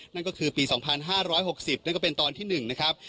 นั่นก็คือปีสองพันห้าร้อยหกสิบนั่นก็เป็นตอนที่หนึ่งนะครับ